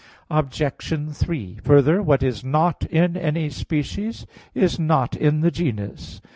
Obj. 3: Further, what is not in any species is not in the genus.